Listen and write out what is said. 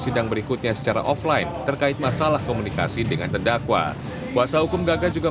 sidang berikutnya secara offline terkait masalah komunikasi dengan terdakwa kuasa hukum gaga juga